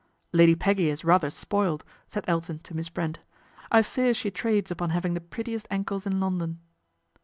" Lady Peggy is rather spoiled," said Elton to Miss Brent. " I fear she trades upon having the prettiest ankles in London."